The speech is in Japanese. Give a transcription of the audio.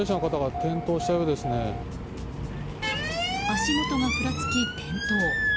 足元がふらつき転倒。